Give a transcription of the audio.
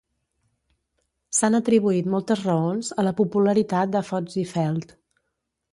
S'han atribuït moltes raons a la popularitat de Fuzzy-Felt.